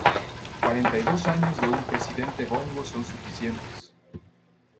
Cuarenta y dos años de un "Presidente Bongo" son suficientes".